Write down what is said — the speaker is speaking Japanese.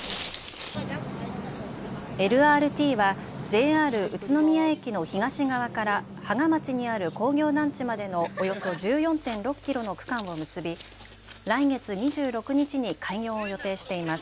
ＬＲＴはＪＲ宇都宮駅の東側から芳賀町にある工業団地までのおよそ１４．６キロの区間を結び来月２６日に開業を予定しています。